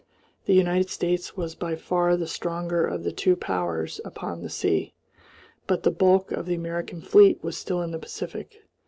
The United States was by far the stronger of the two powers upon the sea, but the bulk of the American fleet was still in the Pacific.